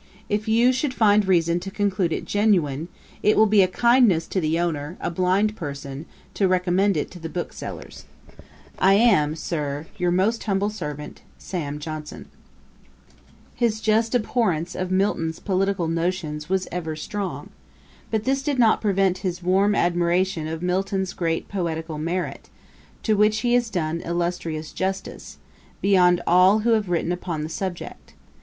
If you should find reason to conclude it genuine, it will be a kindness to the owner, a blind person, to recommend it to the booksellers. I am, Sir, 'Your most humble servant, 'SAM. JOHNSON.' [Page 227: Milton's grand daughter. Ætat 41.] [Page 228: Lauder's imposition. A.D. 1751.] His just abhorrence of Milton's political notions was ever strong. But this did not prevent his warm admiration of Milton's great poetical merit, to which he has done illustrious justice, beyond all who have written upon the subject.